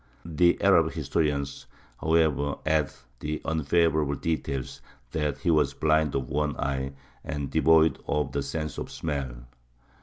The Arab historians, however, add the unfavourable details that he was blind of one eye and devoid of the sense of smell.